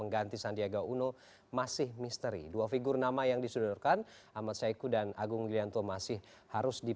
dan kang ubed terima kasih selamat malam